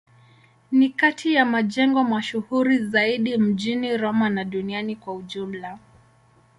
Ni kati ya majengo mashuhuri zaidi mjini Roma na duniani kwa ujumla.